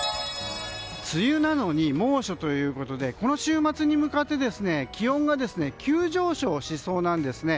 梅雨なのに猛暑ということでこの週末に向かって気温が急上昇しそうなんですね。